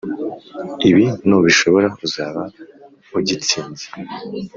ibi nubishobora uzaba ugitsinze